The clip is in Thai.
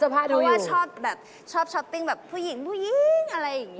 เพราะว่าชอบแบบชอบช้อปปิ้งแบบผู้หญิงผู้หญิงอะไรอย่างนี้